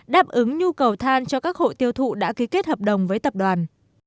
đáp ứng nhu cầu than cho các hộ tiêu thụ đã ký kết hợp đồng với tập đoàn